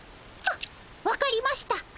あっ分かりました。